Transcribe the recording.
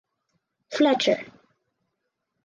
Fletcher.